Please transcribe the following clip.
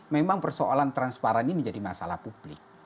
memang persoalan transparan ini menjadi masalah publik